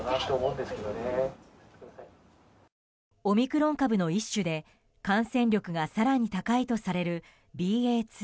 オミクロン株の一種で感染力が更に高いとされるＢＡ．２。